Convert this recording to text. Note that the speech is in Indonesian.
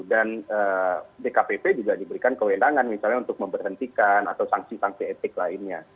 dan dkpp juga diberikan kewenangan misalnya untuk memberhentikan atau sanksi sanksi etik lainnya